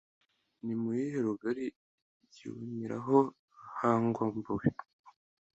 nimuyihe rugari yibonereho ruhangwambone